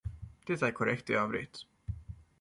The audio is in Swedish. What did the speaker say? Det är korrekt i övrigt.